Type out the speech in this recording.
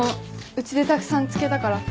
うちでたくさん漬けたから。